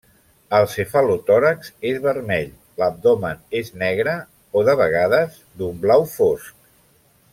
El cefalotòrax és vermell, l'abdomen és negre o, de vegades, d'un blau fosc.